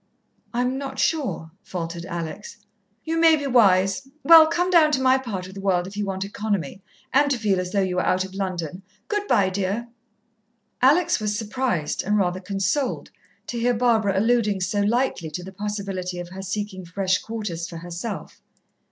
"I'm not sure," faltered Alex. "You may be wise. Well, come down to my part of the world if you want economy and to feel as though you were out of London. Good bye, dear." Alex was surprised, and rather consoled, to hear Barbara alluding so lightly to the possibility of her seeking fresh quarters for herself.